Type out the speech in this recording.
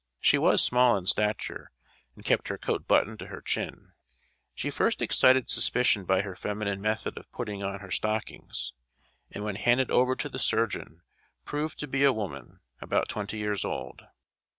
She was small in stature, and kept her coat buttoned to her chin. She first excited suspicion by her feminine method of putting on her stockings; and when handed over to the surgeon proved to be a woman, about twenty years old.